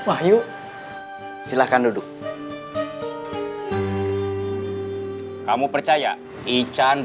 aku ada tentang